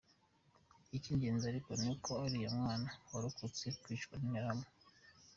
Icy’ingenzi ariko ni uko uriya mwana yarokotse kwicwa n’Interahamwe.”